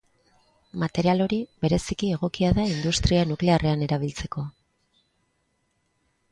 Material hori bereziki egokia da industria nuklearrean erabiltzeko.